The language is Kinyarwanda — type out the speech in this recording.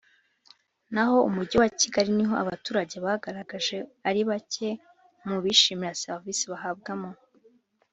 Naho umujyi wa kigali niho abaturage bagaragaje ari bake mu bishimira serivisi bahabwa mu